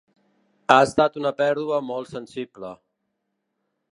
Ha estat una pèrdua molt sensible.